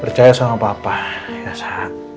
percaya sama papa ya sangat